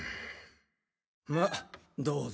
まあどうぞ。